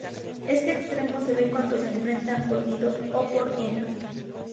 Este extremo se ve cuando se enfrentan por nidos o hembras.